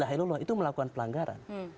la ilaha illallah itu melakukan pelanggaran